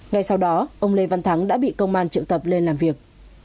ngay sau đó ông lê văn thắng đã bị công an triệu tập lên làm việc